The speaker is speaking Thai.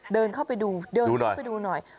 เดินเข้าไปดูดูหน่อย